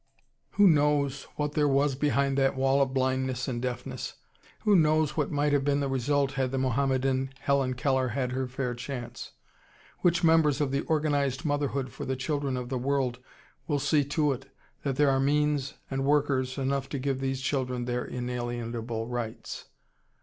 Who knows what there was behind that wall of blindness and deafness, who knows what might have been the result had the Mohammedan Helen Keller had her fair chance? Which members of the "organized motherhood for the children of the world" will see to it that there are means and workers enough to give these children their inalienable rights?